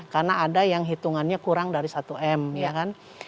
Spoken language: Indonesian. karena ada yang hitungannya kurang dari satu m ya kan